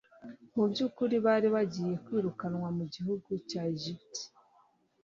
mu by'ukuri bari bagiye kwirukanwa mu gihugu cya Egiputa;